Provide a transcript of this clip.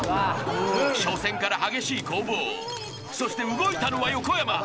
［初戦から激しい攻防そして動いたのは横山！］